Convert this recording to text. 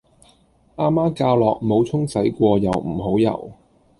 阿媽教落冇沖洗過又唔好游